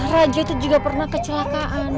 raja itu juga pernah kecelakaan